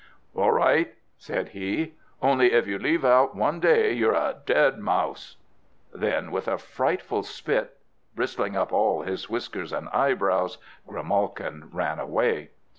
"All right," said he; "only if you leave out one day, you're a dead mouse!" Then, with a frightful spit, bristling up all his whiskers and eyebrows, Grimalkin ran away.